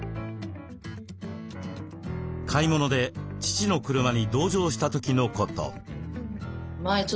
買い物で父の車に同乗した時のこと。